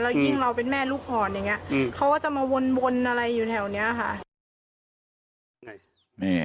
ยิ่งเราเป็นแม่ลูกอ่อนอย่างนี้เขาก็จะมาวนอะไรอยู่แถวนี้ค่ะ